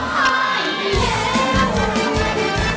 พี่